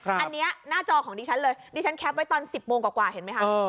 อันนี้หน้าจอของดิฉันเลยดิฉันแคปไว้ตอน๑๐โมงกว่าเห็นไหมคะ